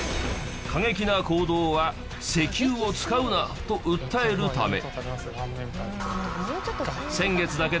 過激な行動は石油を使うな！と訴えるため。